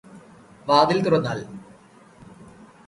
വാതില് തുറന്നാല്